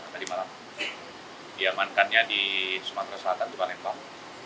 tadi malam diamankannya di sumatera selatan di palembang